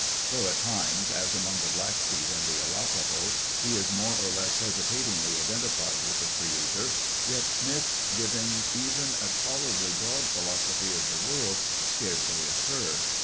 Though at times, as among the Blackfeet and the Arapaho, he is more or less hesitatingly identified with the creator, yet myths giving even a tolerably broad philosophy of the world scarcely occur.